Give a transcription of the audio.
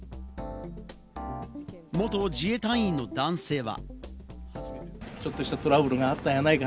元自衛隊員の男性は。